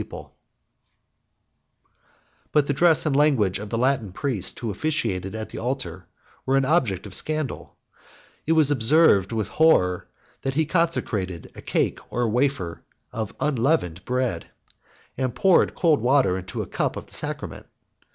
] But the dress and language of the Latin priest who officiated at the altar were an object of scandal; and it was observed with horror, that he consecrated a cake or wafer of unleavened bread, and poured cold water into the cup of the sacrament.